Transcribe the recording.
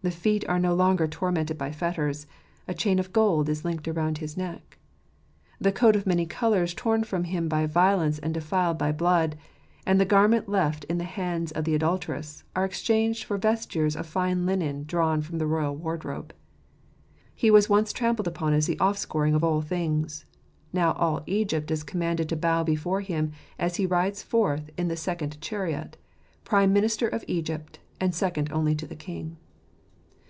The feet are no longer tormented by fetters; a chain of gold is linked around his neck. The coat of many colours torn from him by violence and defiled by blood, and the garment left in the hand of the adulteress, are exchanged for vestures of fine linen drawn from the royal wardrobe. He was once trampled upon as the offscouring of all things; now all Egypt is commanded to bow before him, as he rides forth in the second chariot, prime minister of Egypt, and second only to the king.